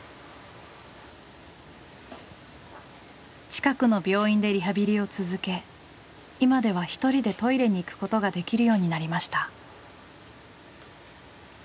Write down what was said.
近くの病院でリハビリを続け今では一人でトイレに行くことができるようになりました。